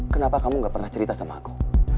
kenapa kamu gak pernah cerita sama aku